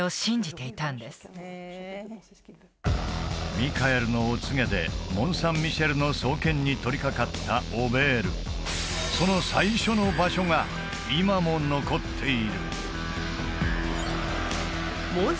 ミカエルのお告げでモン・サン・ミシェルの創建に取り掛かったオベールその最初の場所が今も残っているモン